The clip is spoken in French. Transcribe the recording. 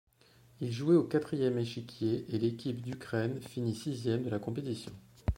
Il jouait au quatrième échiquier et l'équipe d'Ukraine finit sixième de la compétition.